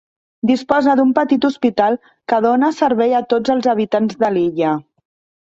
Disposa d'un petit hospital que dóna servei a tots els habitants de l'illa.